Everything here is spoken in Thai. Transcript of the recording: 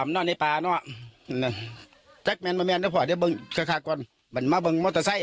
ภาพก็ยากสร้างเงินดูเมืองอาหาร